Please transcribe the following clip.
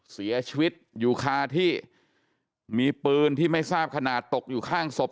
เสียชีวิตอยู่คาที่มีปืนที่ไม่ทราบขนาดตกอยู่ข้างศพ